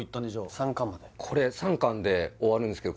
３巻までこれ３巻で終わるんですけど